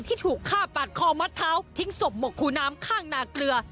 ที่ถูกฆ่าปาดคอมัดเท้าทิ้งศพหมกคูน้ำข้างนาเกลือ